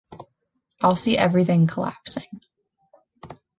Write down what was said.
I’ll see everything collapsing...